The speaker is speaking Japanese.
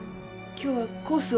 今日はコース